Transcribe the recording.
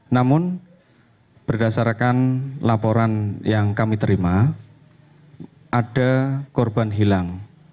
namun berdasarkan laporan yang kami terima ada korban hilang